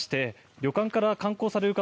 旅館から観光される方